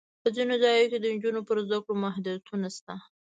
په ځینو ځایونو کې د نجونو پر زده کړو محدودیتونه شته.